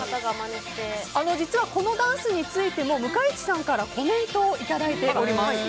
実は、このダンスについても向井地さんからコメントをいただいています。